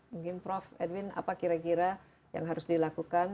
mungkin prof edwin apa kira kira yang harus dilakukan